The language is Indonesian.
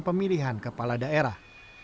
pemilihan kepala daerah